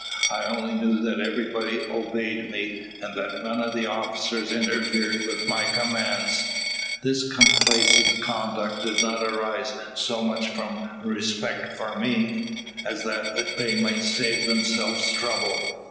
I only knew that everybody obeyed me, and that none of the officers interfered with my commands. This complaisant conduct did not arise so much from respect for me, as that they might save themselves trouble.